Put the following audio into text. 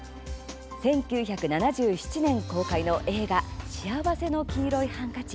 １９７７年公開の映画「幸福の黄色いハンカチ」。